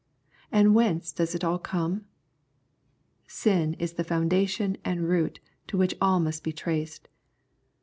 And whence does it all come ? Sin is the fountain and root to which all must be traced.